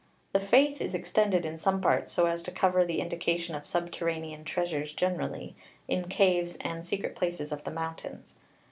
The faith is extended, in some parts, so as to cover the indication of subterranean treasures generally, in caves and secret places of the mountains.